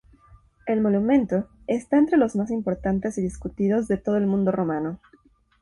El monumento está entre los más importantes y discutidos de todo el mundo romano.